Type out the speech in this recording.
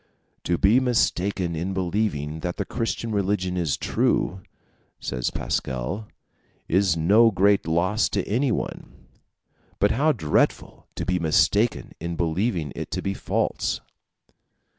"To be mistaken in believing that the Christian religion is true," says Pascal, "is no great loss to anyone; but how dreadful to be mistaken in believing it to be false!"